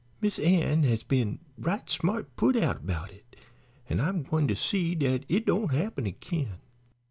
Miss Ann has been right smart put out 'bout it, an' I'm gwine to see dat it don't happen agin.